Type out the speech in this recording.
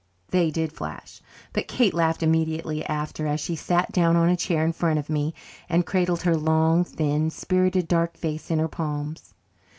They did flash; but Kate laughed immediately after, as she sat down on a chair in front of me and cradled her long, thin, spirited dark face in her palms.